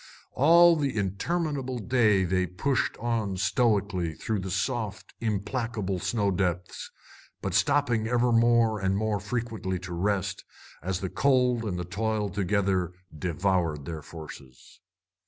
All the interminable day they pushed on stoically through the soft, implacable snow depths, but stopping ever more and more frequently to rest, as the cold and the toil together devoured their forces.